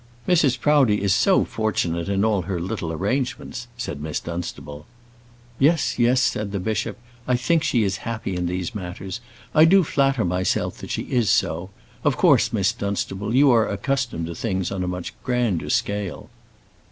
"Mrs. Proudie is so fortunate in all her little arrangements," said Miss Dunstable. "Yes, yes," said the bishop. "I think she is happy in these matters. I do flatter myself that she is so. Of course, Miss Dunstable, you are accustomed to things on a much grander scale."